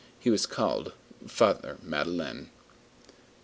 He was called Father Madeleine.